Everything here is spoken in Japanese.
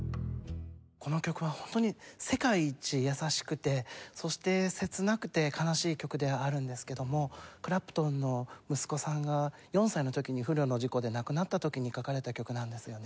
この曲は本当に世界一優しくてそして切なくて悲しい曲ではあるんですけどもクラプトンの息子さんが４歳の時に不慮の事故で亡くなった時に書かれた曲なんですよね。